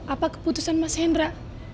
apa keputusan mas hendra